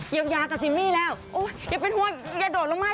เยียวยากับซิมมี่แล้วโอ้ยอย่าเป็นห่วงอย่าโดดลงมา